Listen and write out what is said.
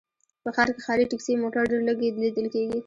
په ښار کې ښاري ټکسي موټر ډېر لږ ليدل کېږي